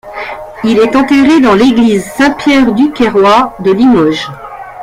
Il est enterré dans l'Église Saint-Pierre-du-Queyroix de Limoges.